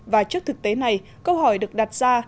và trước thực tế này câu hỏi được đặt ra